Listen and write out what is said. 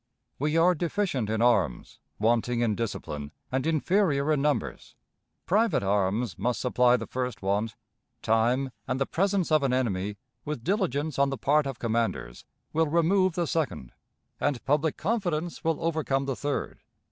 "We are deficient in arms, wanting in discipline, and inferior in numbers. Private arms must supply the first want; time and the presence of an enemy, with diligence on the part of commanders, will remove the second; and public confidence will overcome the third.